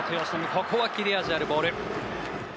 ここは切れ味のあるボール。